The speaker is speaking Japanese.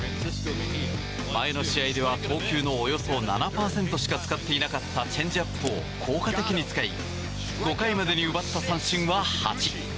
前の試合では投球のおよそ７％しか使っていなかったチェンジアップを効果的に使い５回までに奪った三振は８。